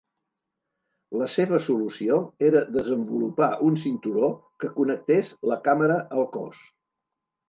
La seva solució era desenvolupar un cinturó que connectés la càmera al cos.